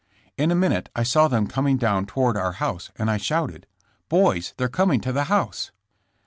"In a minute I saw them coming down toward our house and I shouted: " 'Boys, they're coming to the house.'